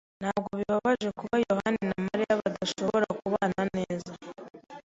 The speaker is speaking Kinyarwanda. Ntabwo bibabaje kuba yohani na Mariya badashobora kubana neza?